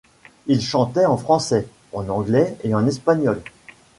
Il chantait en français, en anglais et en espagnol.